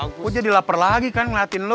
aku jadi lapar lagi kan ngeliatin lo